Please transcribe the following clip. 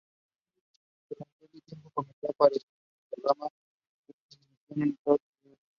Durante este tiempo comenzó a aparecer en programas de televisión de Estados Unidos.